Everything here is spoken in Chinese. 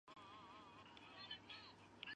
因其地位于南侧设立隘寮而得名。